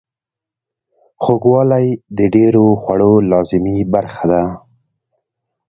خوږوالی د ډیرو خوړو لازمي برخه ده.